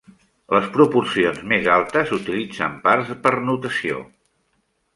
Les proporcions més altes utilitzen parts per notació.